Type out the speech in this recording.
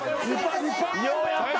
ようやった。